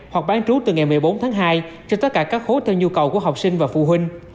hoặc bán trú từ ngày một mươi bốn tháng hai cho tất cả các khối theo nhu cầu của học sinh và phụ huynh